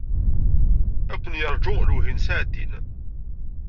Ad ken-yerju lewhi n ssaɛtin.